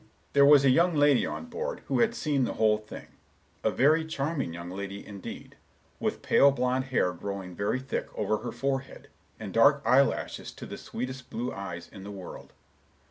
"There was a young lady on board, who had seen the whole thing—a very charming young lady indeed, with pale blond hair growing very thick over her forehead, and dark eyelashes to the sweetest blue eyes in the world.